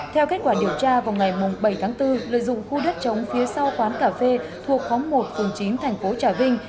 theo kết quả điều tra vòng ngày bảy tháng bốn lợi dụng khu đất trống phía sau quán cà phê thuộc khóng một phường chín tp trà vinh